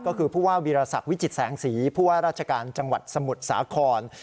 ก็คือผู้ว่าวีรศักดิ์วิจิตแสงสีผู้ว่าราชการจังหวัดสมุทรสาคร